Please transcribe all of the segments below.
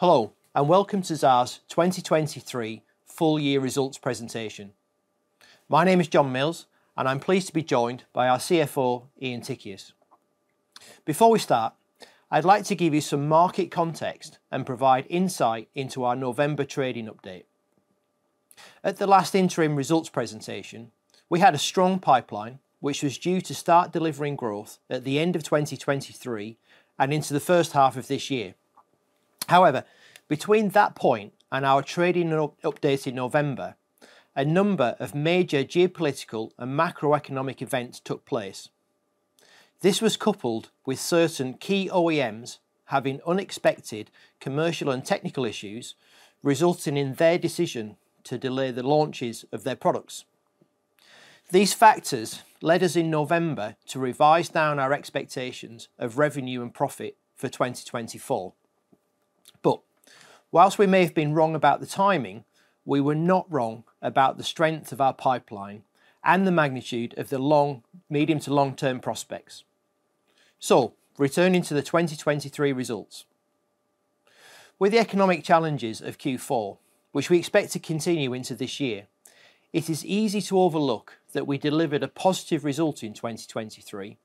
Hello, and welcome to Xaar's 2023 full year results presentation. My name is John Mills, and I'm pleased to be joined by our CFO, Ian Tichias. Before we start, I'd like to give you some market context and provide insight into our November trading update. At the last interim results presentation, we had a strong pipeline, which was due to start delivering growth at the end of 2023 and into the first half of this year. However, between that point and our trading update in November, a number of major geopolitical and macroeconomic events took place. This was coupled with certain key OEMs having unexpected commercial and technical issues, resulting in their decision to delay the launches of their products. These factors led us, in November, to revise down our expectations of revenue and profit for 2024. But while we may have been wrong about the timing, we were not wrong about the strength of our pipeline and the magnitude of the long, medium to long-term prospects. Returning to the 2023 results. With the economic challenges of Q4, which we expect to continue into this year, it is easy to overlook that we delivered a positive result in 2023,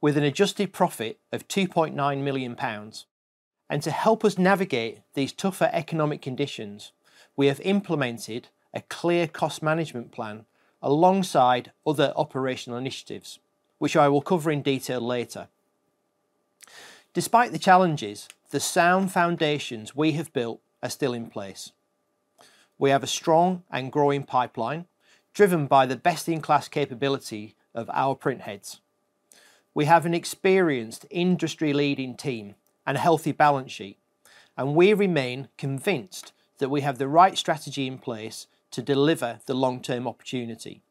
with an adjusted profit of 2.9 million pounds. And to help us navigate these tougher economic conditions, we have implemented a clear cost management plan alongside other operational initiatives, which I will cover in detail later. Despite the challenges, the sound foundations we have built are still in place. We have a strong and growing pipeline, driven by the best-in-class capability of our print heads. We have an experienced, industry-leading team and a healthy balance sheet, and we remain convinced that we have the right strategy in place to deliver the long-term opportunity.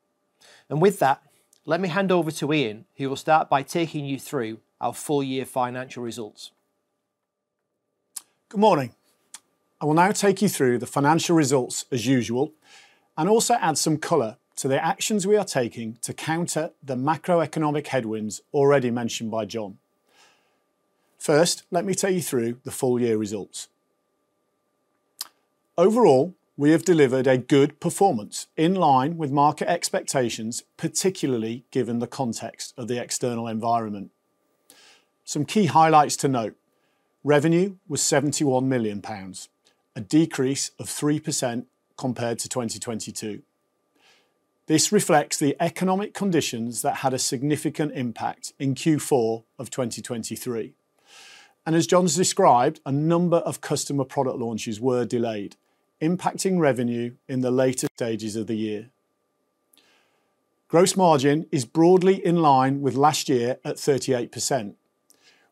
With that, let me hand over to Ian, who will start by taking you through our full-year financial results. Good morning. I will now take you through the financial results as usual, and also add some color to the actions we are taking to counter the macroeconomic headwinds already mentioned by John. First, let me take you through the full-year results. Overall, we have delivered a good performance in line with market expectations, particularly given the context of the external environment. Some key highlights to note: revenue was 71 million pounds, a decrease of 3% compared to 2022. This reflects the economic conditions that had a significant impact in Q4 of 2023. And as John's described, a number of customer product launches were delayed, impacting revenue in the later stages of the year. Gross margin is broadly in line with last year at 38%,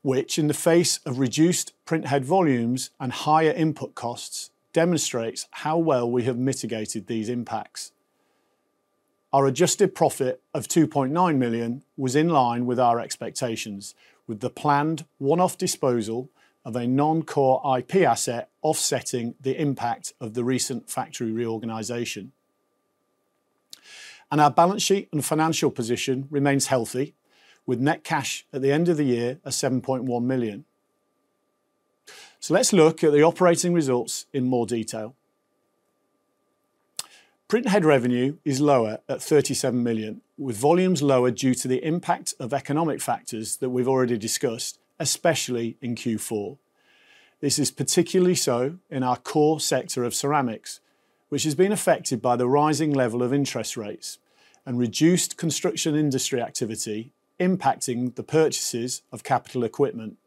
which, in the face of reduced print head volumes and higher input costs, demonstrates how well we have mitigated these impacts. Our adjusted profit of 2.9 million was in line with our expectations, with the planned one-off disposal of a non-core IP asset offsetting the impact of the recent factory reorganization. Our balance sheet and financial position remains healthy, with net cash at the end of the year of 7.1 million. Let's look at the operating results in more detail. Printhead revenue is lower at 37 million, with volumes lower due to the impact of economic factors that we've already discussed, especially in Q4. This is particularly so in our core sector of ceramics, which has been affected by the rising level of interest rates and reduced construction industry activity, impacting the purchases of capital equipment.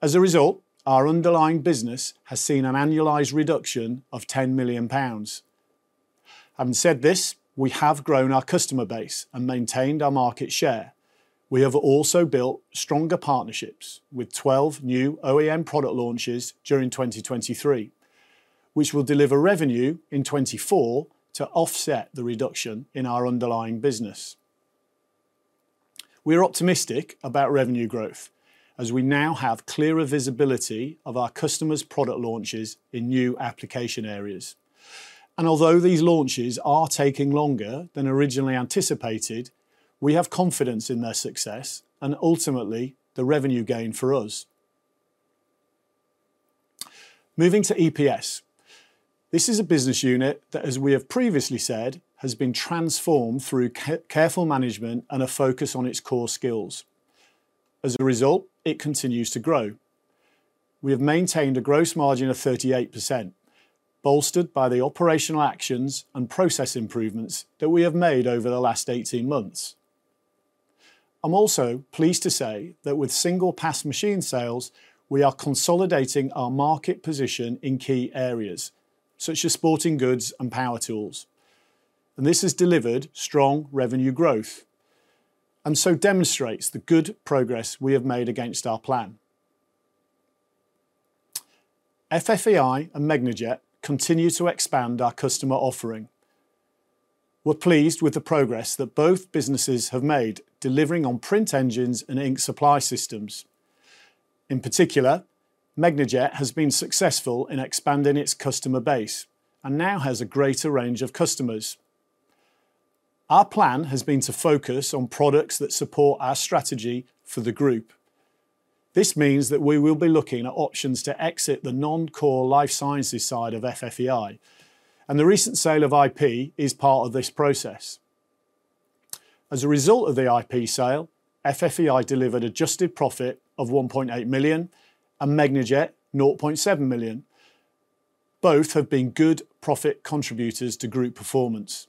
As a result, our underlying business has seen an annualized reduction of 10 million pounds. Having said this, we have grown our customer base and maintained our market share. We have also built stronger partnerships with 12 new OEM product launches during 2023, which will deliver revenue in 2024 to offset the reduction in our underlying business. We are optimistic about revenue growth, as we now have clearer visibility of our customers' product launches in new application areas. And although these launches are taking longer than originally anticipated, we have confidence in their success and ultimately, the revenue gain for us. Moving to EPS. This is a business unit that, as we have previously said, has been transformed through careful management and a focus on its core skills. As a result, it continues to grow. We have maintained a gross margin of 38%, bolstered by the operational actions and process improvements that we have made over the last 18 months. I'm also pleased to say that with single pass machine sales, we are consolidating our market position in key areas, such as sporting goods and power tools, and this has delivered strong revenue growth and so demonstrates the good progress we have made against our plan. FFEI and Megnajet continue to expand our customer offering. We're pleased with the progress that both businesses have made, delivering on print engines and ink supply systems. In particular, Megnajet has been successful in expanding its customer base and now has a greater range of customers. Our plan has been to focus on products that support our strategy for the group. This means that we will be looking at options to exit the non-core life sciences side of FFEI, and the recent sale of IP is part of this process. As a result of the IP sale, FFEI delivered adjusted profit of 1.8 million, and Megnajet, 0.7 million. Both have been good profit contributors to group performance.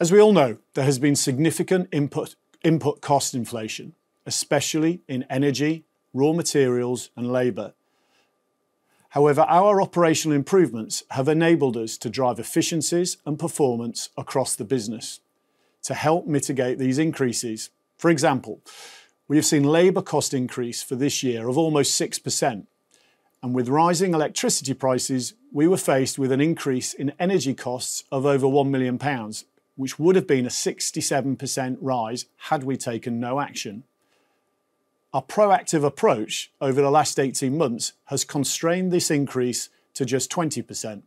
As we all know, there has been significant input, input cost inflation, especially in energy, raw materials, and labor. However, our operational improvements have enabled us to drive efficiencies and performance across the business to help mitigate these increases. For example, we have seen labor cost increase for this year of almost 6%, and with rising electricity prices, we were faced with an increase in energy costs of over 1 million pounds, which would have been a 67% rise had we taken no action. Our proactive approach over the last 18 months has constrained this increase to just 20%.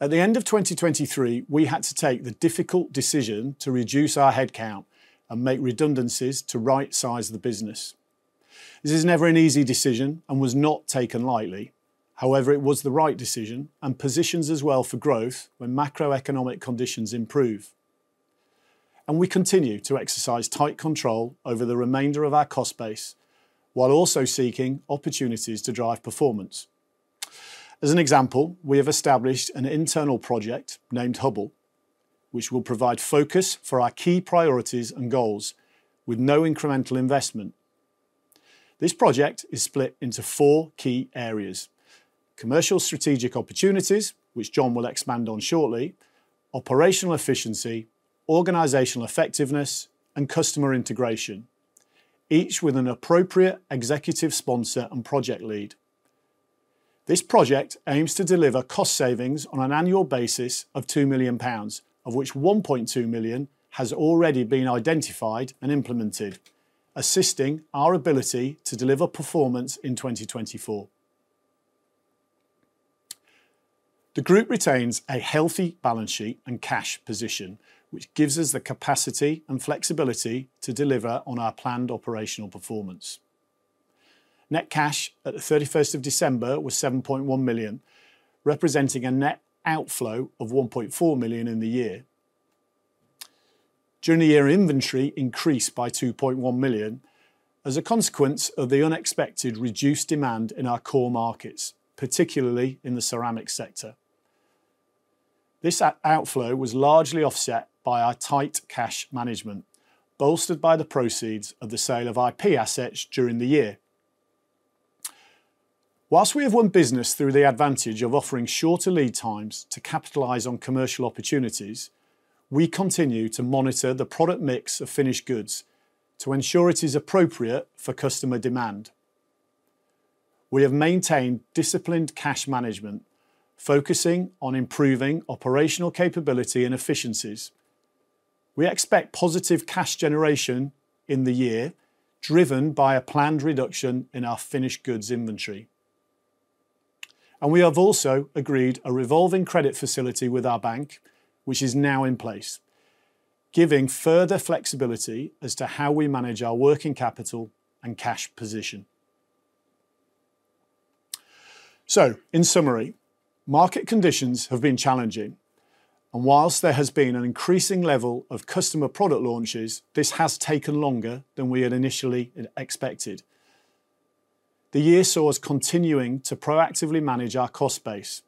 At the end of 2023, we had to take the difficult decision to reduce our headcount and make redundancies to right-size the business. This is never an easy decision and was not taken lightly. However, it was the right decision and positions us well for growth when macroeconomic conditions improve. We continue to exercise tight control over the remainder of our cost base, while also seeking opportunities to drive performance. As an example, we have established an internal project named Hubble, which will provide focus for our key priorities and goals with no incremental investment. This project is split into four key areas: commercial strategic opportunities, which John will expand on shortly, operational efficiency, organizational effectiveness, and customer integration, each with an appropriate executive sponsor and project lead. This project aims to deliver cost savings on an annual basis of 2 million pounds, of which 1.2 million has already been identified and implemented, assisting our ability to deliver performance in 2024. The group retains a healthy balance sheet and cash position, which gives us the capacity and flexibility to deliver on our planned operational performance. Net cash at the 31st of December was 7.1 million, representing a net outflow of 1.4 million in the year. During the year, inventory increased by 2.1 million as a consequence of the unexpected reduced demand in our core markets, particularly in the ceramic sector. This outflow was largely offset by our tight cash management, bolstered by the proceeds of the sale of IP assets during the year. While we have won business through the advantage of offering shorter lead times to capitalize on commercial opportunities, we continue to monitor the product mix of finished goods to ensure it is appropriate for customer demand. We have maintained disciplined cash management, focusing on improving operational capability and efficiencies. We expect positive cash generation in the year, driven by a planned reduction in our finished goods inventory. We have also agreed a revolving credit facility with our bank, which is now in place, giving further flexibility as to how we manage our working capital and cash position. In summary, market conditions have been challenging, and while there has been an increasing level of customer product launches, this has taken longer than we had initially expected. The year saw us continuing to proactively manage our cost base,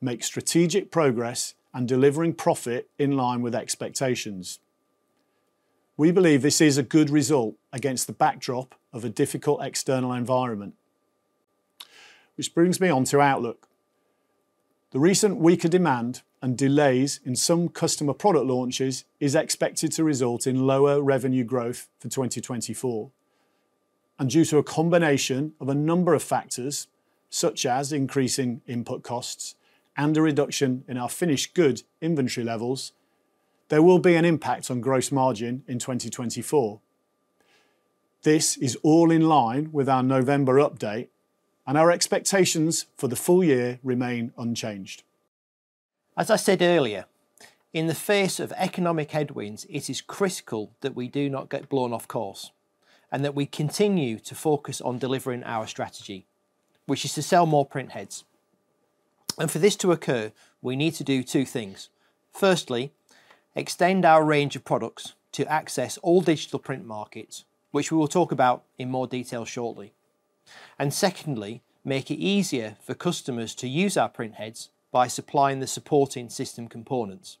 make strategic progress, and delivering profit in line with expectations. We believe this is a good result against the backdrop of a difficult external environment, which brings me on to outlook. The recent weaker demand and delays in some customer product launches is expected to result in lower revenue growth for 2024. Due to a combination of a number of factors, such as increasing input costs and a reduction in our finished goods inventory levels, there will be an impact on gross margin in 2024. This is all in line with our November update, and our expectations for the full year remain unchanged. As I said earlier, in the face of economic headwinds, it is critical that we do not get blown off course and that we continue to focus on delivering our strategy, which is to sell more printheads. For this to occur, we need to do two things: firstly, extend our range of products to access all digital print markets, which we will talk about in more detail shortly, and secondly, make it easier for customers to use our printheads by supplying the supporting system components.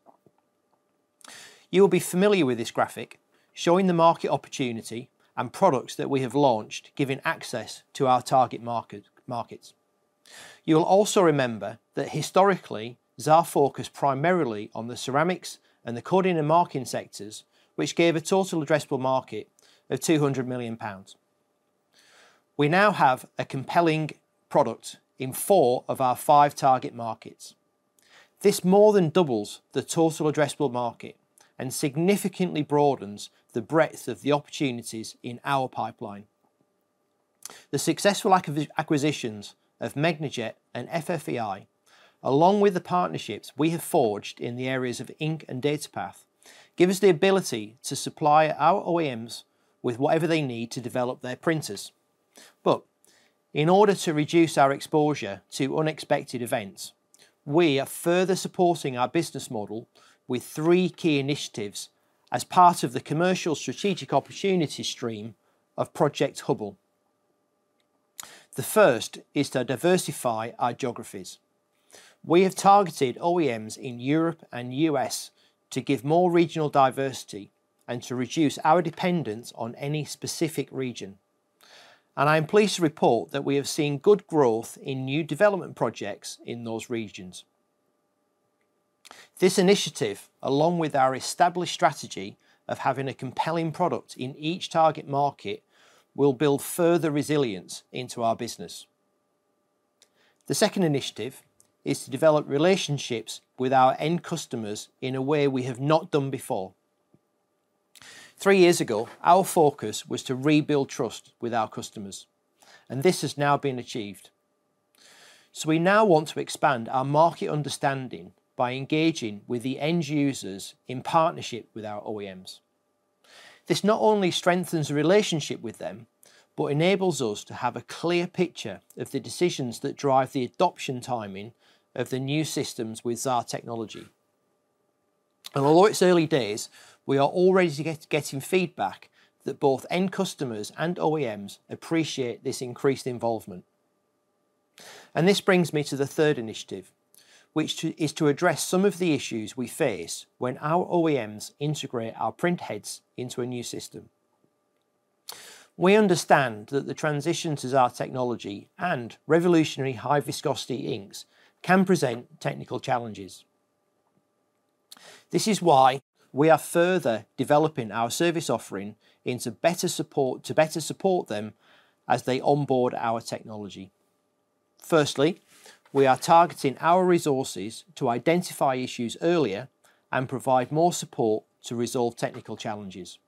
You will be familiar with this graphic showing the market opportunity and products that we have launched, giving access to our target market, markets. You'll also remember that historically, Xaar focused primarily on the ceramics and the coding and marking sectors, which gave a total addressable market of 200 million pounds. We now have a compelling product in four of our five target markets. This more than doubles the total addressable market and significantly broadens the breadth of the opportunities in our pipeline.... The successful acquisitions of Megnajet and FFEI, along with the partnerships we have forged in the areas of ink and data path, give us the ability to supply our OEMs with whatever they need to develop their printers. But in order to reduce our exposure to unexpected events, we are further supporting our business model with three key initiatives as part of the commercial strategic opportunity stream of Project Hubble. The first is to diversify our geographies. We have targeted OEMs in Europe and U.S. to give more regional diversity and to reduce our dependence on any specific region, and I'm pleased to report that we have seen good growth in new development projects in those regions. This initiative, along with our established strategy of having a compelling product in each target market, will build further resilience into our business. The second initiative is to develop relationships with our end customers in a way we have not done before. Three years ago, our focus was to rebuild trust with our customers, and this has now been achieved. So we now want to expand our market understanding by engaging with the end users in partnership with our OEMs. This not only strengthens the relationship with them, but enables us to have a clear picture of the decisions that drive the adoption timing of the new systems with Xaar technology. And although it's early days, we are already getting feedback that both end customers and OEMs appreciate this increased involvement. And this brings me to the third initiative, which to... is to address some of the issues we face when our OEMs integrate our printheads into a new system. We understand that the transition to Xaar technology and revolutionary high-viscosity inks can present technical challenges. This is why we are further developing our service offering into better support to better support them as they onboard our technology. Firstly, we are targeting our resources to identify issues earlier and provide more support to resolve technical challenges.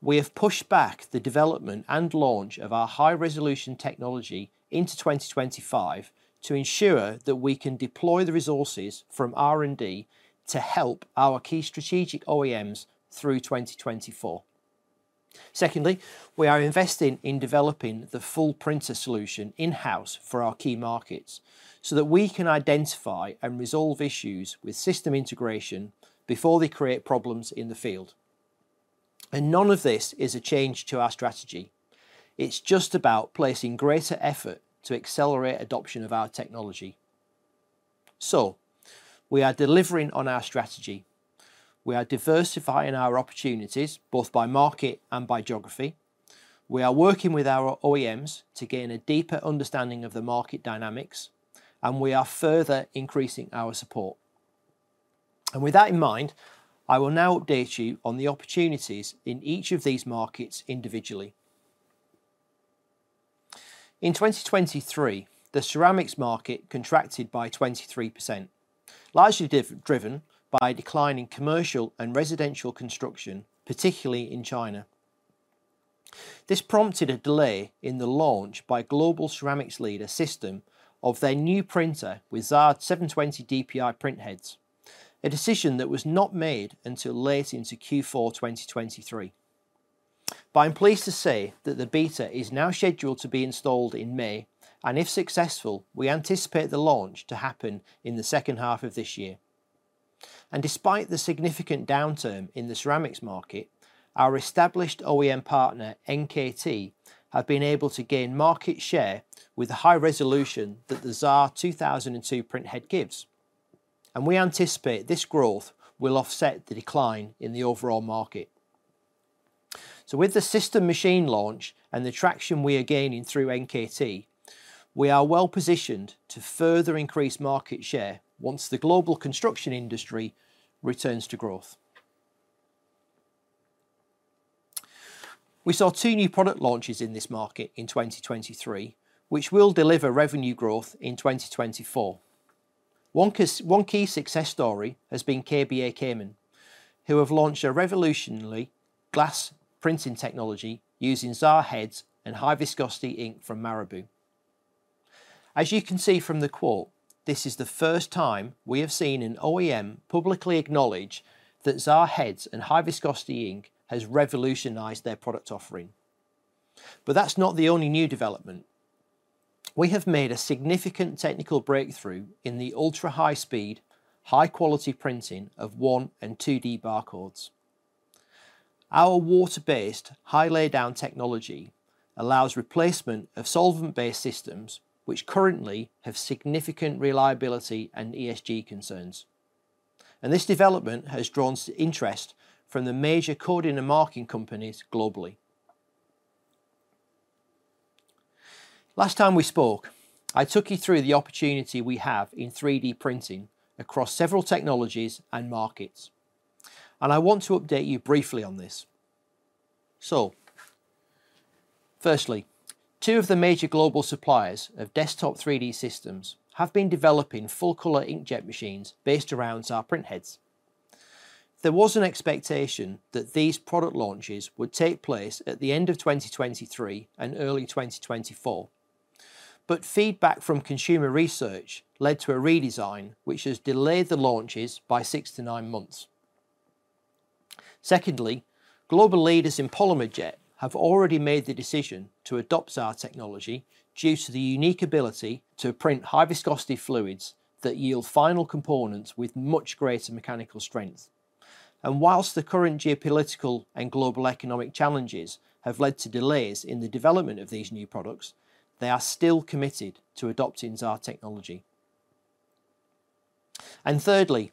We have pushed back the development and launch of our high-resolution technology into 2025 to ensure that we can deploy the resources from R&D to help our key strategic OEMs through 2024. Secondly, we are investing in developing the full printer solution in-house for our key markets, so that we can identify and resolve issues with system integration before they create problems in the field. None of this is a change to our strategy. It's just about placing greater effort to accelerate adoption of our technology. So we are delivering on our strategy. We are diversifying our opportunities, both by market and by geography. We are working with our OEMs to gain a deeper understanding of the market dynamics, and we are further increasing our support. And with that in mind, I will now update you on the opportunities in each of these markets individually. In 2023, the ceramics market contracted by 23%, largely driven by a decline in commercial and residential construction, particularly in China. This prompted a delay in the launch by global ceramics leader System of their new printer with Xaar 720 dpi printheads, a decision that was not made until late into Q4 2023. But I'm pleased to say that the beta is now scheduled to be installed in May, and if successful, we anticipate the launch to happen in the second half of this year. Despite the significant downturn in the ceramics market, our established OEM partner, NKT, have been able to gain market share with the high resolution that the Xaar 2002 printhead gives, and we anticipate this growth will offset the decline in the overall market. With the System machine launch and the traction we are gaining through NKT, we are well-positioned to further increase market share once the global construction industry returns to growth. We saw two new product launches in this market in 2023, which will deliver revenue growth in 2024. One key, one key success story has been K&B Kammann, who have launched a revolutionary glass printing technology using Xaar heads and high-viscosity ink from Marabu. As you can see from the quote, this is the first time we have seen an OEM publicly acknowledge that Xaar heads and high-viscosity ink has revolutionized their product offering. But that's not the only new development. We have made a significant technical breakthrough in the ultra-high speed, high-quality printing of 1D and 2D barcodes. Our water-based, high laydown technology allows replacement of solvent-based systems, which currently have significant reliability and ESG concerns, and this development has drawn interest from the major coding and marking companies globally. Last time we spoke, I took you through the opportunity we have in 3D printing across several technologies and markets, and I want to update you briefly on this. So firstly, two of the major global suppliers of desktop 3D systems have been developing full-color inkjet machines based around Xaar printheads.... There was an expectation that these product launches would take place at the end of 2023 and early 2024, but feedback from consumer research led to a redesign, which has delayed the launches by six to nine months. Secondly, global leaders in polymer jet have already made the decision to adopt our technology due to the unique ability to print high-viscosity fluids that yield final components with much greater mechanical strength. And while the current geopolitical and global economic challenges have led to delays in the development of these new products, they are still committed to adopting our technology. And thirdly,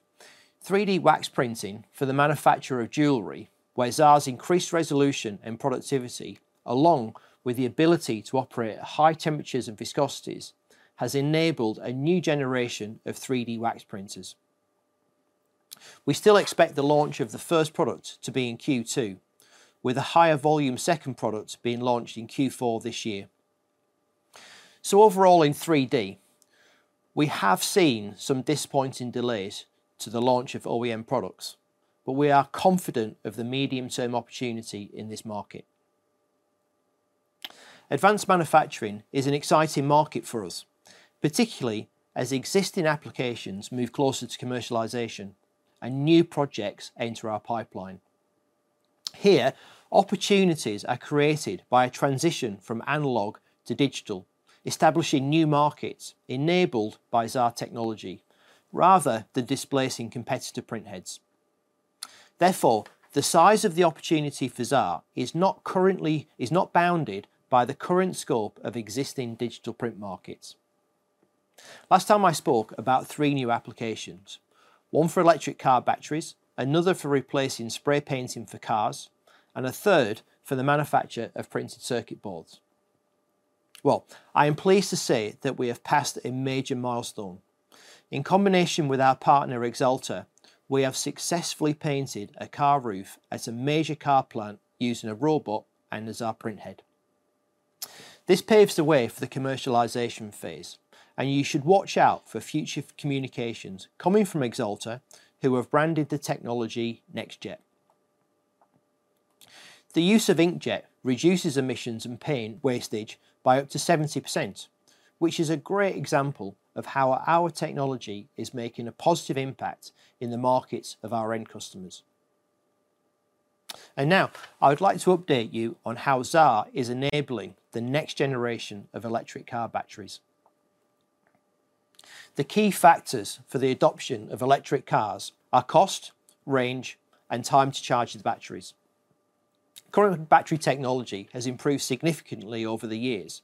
3D wax printing for the manufacture of jewelry, where Xaar's increased resolution and productivity, along with the ability to operate at high temperatures and viscosities, has enabled a new generation of 3D wax printers. We still expect the launch of the first product to be in Q2, with a higher volume second product being launched in Q4 this year. So overall, in 3D, we have seen some disappointing delays to the launch of OEM products, but we are confident of the medium-term opportunity in this market. Advanced manufacturing is an exciting market for us, particularly as existing applications move closer to commercialization and new projects enter our pipeline. Here, opportunities are created by a transition from analog to digital, establishing new markets enabled by Xaar technology, rather than displacing competitive printheads. Therefore, the size of the opportunity for Xaar is not currently, is not bounded by the current scope of existing digital print markets. Last time I spoke about three new applications, one for electric car batteries, another for replacing spray painting for cars, and a third for the manufacture of printed circuit boards. Well, I am pleased to say that we have passed a major milestone. In combination with our partner, Axalta, we have successfully painted a car roof at a major car plant using a robot and a Xaar printhead. This paves the way for the commercialization phase, and you should watch out for future communications coming from Axalta, who have branded the technology NextJet. The use of inkjet reduces emissions and paint wastage by up to 70%, which is a great example of how our technology is making a positive impact in the markets of our end customers. Now I would like to update you on how Xaar is enabling the next generation of electric car batteries. The key factors for the adoption of electric cars are cost, range, and time to charge the batteries. Current battery technology has improved significantly over the years,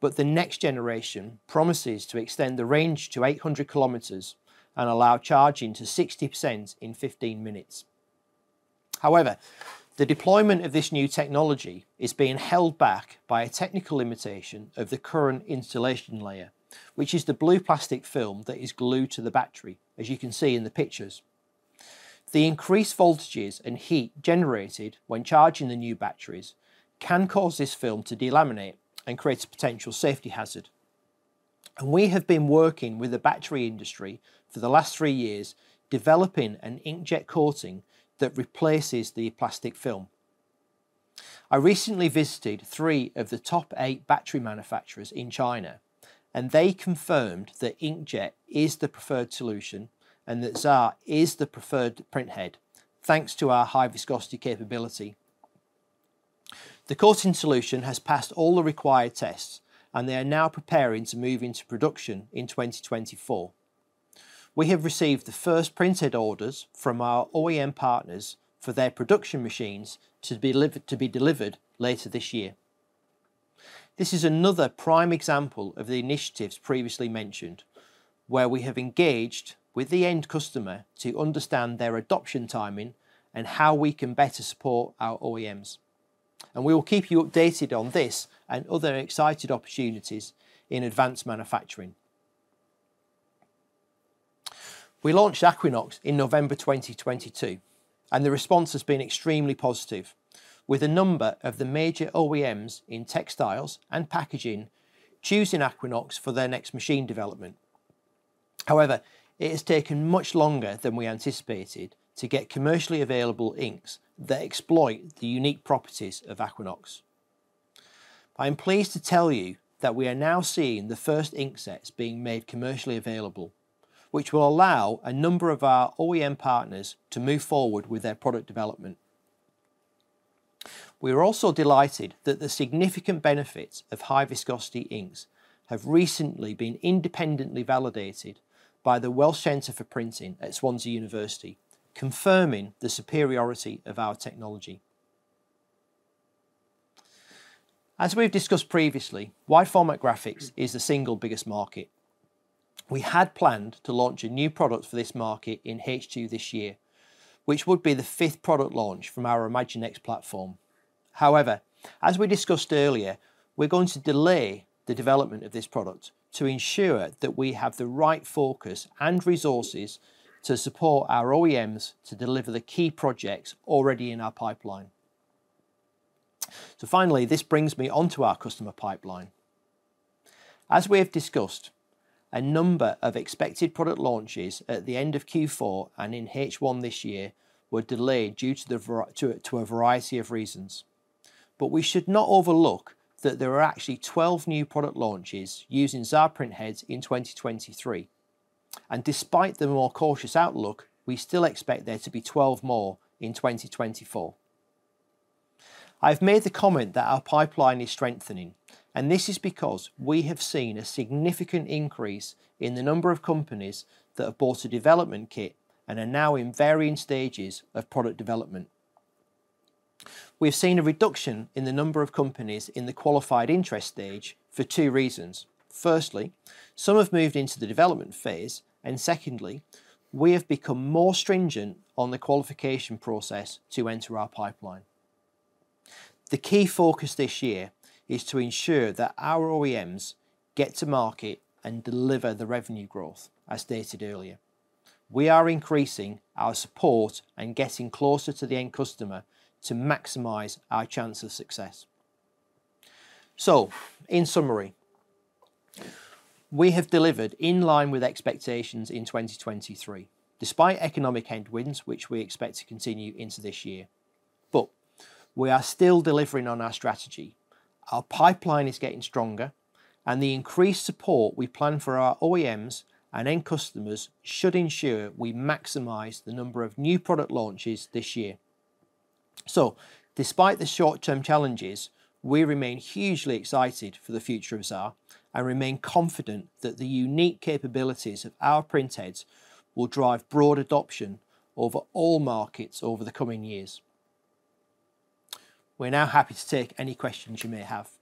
but the next generation promises to extend the range to 800 km and allow charging to 60% in 15 minutes. However, the deployment of this new technology is being held back by a technical limitation of the current insulation layer, which is the blue plastic film that is glued to the battery, as you can see in the pictures. The increased voltages and heat generated when charging the new batteries can cause this film to delaminate and create a potential safety hazard. We have been working with the battery industry for the last 3 years, developing an inkjet coating that replaces the plastic film. I recently visited three of the top eight battery manufacturers in China, and they confirmed that inkjet is the preferred solution and that Xaar is the preferred printhead, thanks to our high-viscosity capability. The coating solution has passed all the required tests, and they are now preparing to move into production in 2024. We have received the first printhead orders from our OEM partners for their production machines to be delivered, to be delivered later this year. This is another prime example of the initiatives previously mentioned, where we have engaged with the end customer to understand their adoption timing and how we can better support our OEMs. We will keep you updated on this and other exciting opportunities in advanced manufacturing. We launched Aquinox in November 2022, and the response has been extremely positive, with a number of the major OEMs in textiles and packaging choosing Aquinox for their next machine development. However, it has taken much longer than we anticipated to get commercially available inks that exploit the unique properties of Aquinox. I am pleased to tell you that we are now seeing the first ink sets being made commercially available, which will allow a number of our OEM partners to move forward with their product development. We are also delighted that the significant benefits of high-viscosity inks have recently been independently validated by the Welsh Centre for Printing at Swansea University, confirming the superiority of our technology. As we've discussed previously, wide-format graphics is the single biggest market. We had planned to launch a new product for this market in H2 this year, which would be the fifth product launch from our ImagineX platform. However, as we discussed earlier, we're going to delay the development of this product to ensure that we have the right focus and resources to support our OEMs to deliver the key projects already in our pipeline. So finally, this brings me onto our customer pipeline. As we have discussed, a number of expected product launches at the end of Q4 and in H1 this year were delayed due to a variety of reasons. But we should not overlook that there are actually 12 new product launches using Xaar printheads in 2023, and despite the more cautious outlook, we still expect there to be 12 more in 2024. I've made the comment that our pipeline is strengthening, and this is because we have seen a significant increase in the number of companies that have bought a development kit and are now in varying stages of product development. We've seen a reduction in the number of companies in the qualified interest stage for two reasons. Firstly, some have moved into the development phase, and secondly, we have become more stringent on the qualification process to enter our pipeline. The key focus this year is to ensure that our OEMs get to market and deliver the revenue growth, as stated earlier. We are increasing our support and getting closer to the end customer to maximize our chance of success. So, in summary, we have delivered in line with expectations in 2023, despite economic headwinds, which we expect to continue into this year. But we are still delivering on our strategy. Our pipeline is getting stronger, and the increased support we plan for our OEMs and end customers should ensure we maximize the number of new product launches this year. So despite the short-term challenges, we remain hugely excited for the future of Xaar, and remain confident that the unique capabilities of our printheads will drive broad adoption over all markets over the coming years. We're now happy to take any questions you may have.